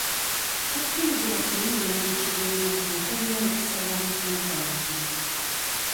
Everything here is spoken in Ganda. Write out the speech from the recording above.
Tokkirizibwa kuyingira mu kibiina nga tolina lukusa lwa musomesa yenna.